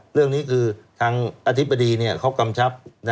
เรื่องนี้คือทางอธิบดีเขากำชับ